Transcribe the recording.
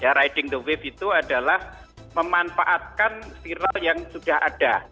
ya riding the wave itu adalah memanfaatkan viral yang sudah ada